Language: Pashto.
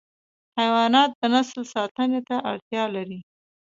حیوانات د نسل ساتنه ته اړتیا لري.